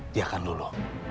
dia akan luluh